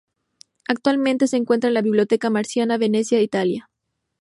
Actualmente se encuentra en la Biblioteca Marciana, Venecia, Italia.